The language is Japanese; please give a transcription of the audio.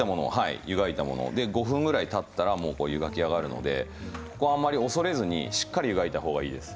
湯がいたもの５分ぐらいたったら湯がき上がるのでここは恐れずにしっかり湯がいたほうがいいです。